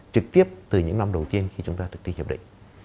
trực tiếp từ những năm đầu tiên khi chúng ta thực thi hiệp định